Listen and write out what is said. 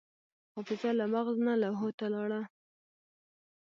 حافظه له مغز نه لوحو ته لاړه.